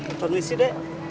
eh apa sih dek